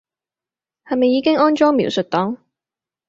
係咪已經安裝描述檔